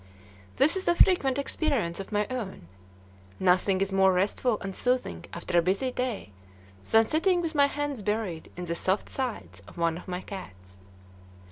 This is a frequent experience of my own. Nothing is more restful and soothing after a busy day than sitting with my hands buried in the soft sides of one of my cats.